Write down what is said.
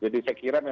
jadi saya kira memang